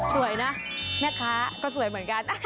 สวยนะแม่ค้าก็สวยเหมือนกัน